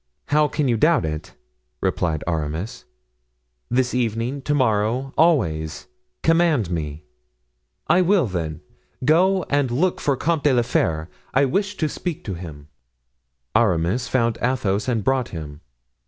"How can you doubt it?" replied Aramis; "this evening, to morrow, always; command me." "I will, then. Go and look for the Comte de la Fere; I wish to speak with him." Aramis found Athos and brought him.